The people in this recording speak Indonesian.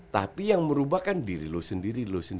tapi yang merubahkan diri lu sendiri